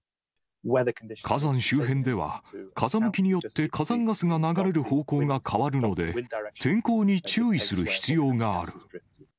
火山周辺では、風向きによって火山ガスが流れる方向が変わるので、天候に注意する必要がある。